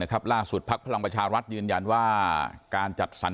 ล่าสุดภักดิ์พลังประชารัฐยืนยันว่าการจัดสรร